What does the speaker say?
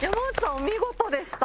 お見事でした。